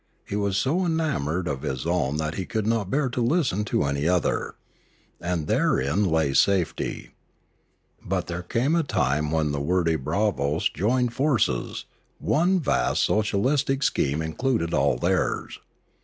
He was so enamoured of his own that he could not bear to listen to any other. And therein lay safety. An Epidemic 405 But there came a time when the wordy bravos joined forces; one vast socialistic scheme included all theirs.